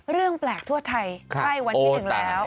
เรื่องแปลกทั่วไทยไฟวันนี้ถึงแล้ว